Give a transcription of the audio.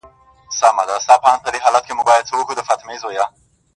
• پرېږده دا زخم زړه ـ پاچا وویني_